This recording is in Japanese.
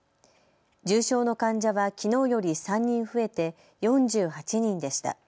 重症の患者はきのうより３人増えて４８人でした。